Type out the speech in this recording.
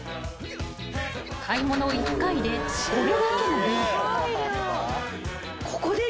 ［買い物一回でこれだけの量］